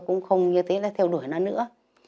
cũng không như thế là theo đuổi nó nữa